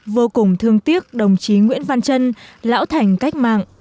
vô cùng thương tiếc đồng chí nguyễn văn trân lão thành cách mạng